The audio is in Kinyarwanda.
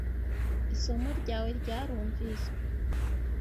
Isomo ryawe ryarumviswe.